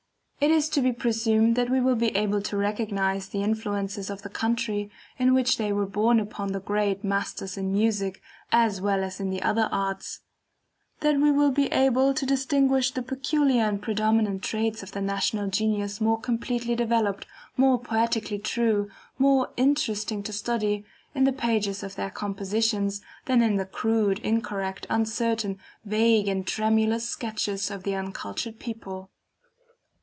It is to be presumed that we will be able to recognize the influences of the country in which they were born upon the great masters in music, as well as in the other arts; that we will be able to distinguish the peculiar and predominant traits of the national genius more completely developed, more poetically true, more interesting to study, in the pages of their compositions than in the crude, incorrect, uncertain, vague and tremulous sketches of the uncultured people.